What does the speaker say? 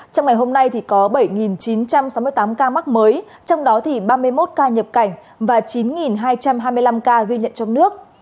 trong ngày hôm nay có bảy chín trăm sáu mươi tám ca mắc mới trong đó ba mươi một ca nhập cảnh và chín hai trăm hai mươi năm ca ghi nhận trong nước